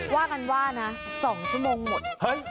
ว่ากันว่านะ๒ชั่วโมงหมด